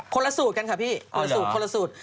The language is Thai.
คนละสูตรกันค่ะพี่คนละสูตร